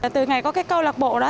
từ ngày có cái câu lạc bộ đó